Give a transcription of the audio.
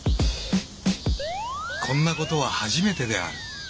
こんなことは初めてである。